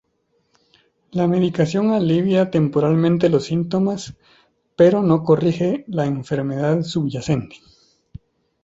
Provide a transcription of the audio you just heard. La medicación alivia temporalmente los síntomas, pero no corrige la enfermedad subyacente.